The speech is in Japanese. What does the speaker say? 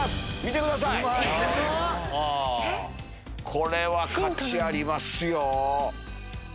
これは価値ありますよ。